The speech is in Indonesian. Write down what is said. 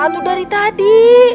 atuh dari tadi